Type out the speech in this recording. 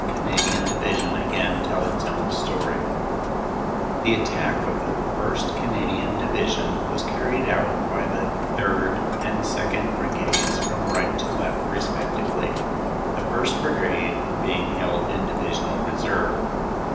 Canadian Division again tell its own story: "The attack of the 1st. Canadian Division was carried out by the 3rd. and 2nd. Brigades from right to left respectively, the 1st. Brigade being held in divisional reserve.